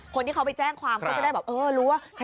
คนที่เขาไปแจ้งความเขาจะได้แบบเออรู้ว่า